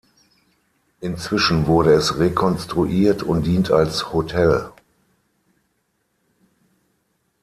Inzwischen wurde es rekonstruiert und dient als Hotel.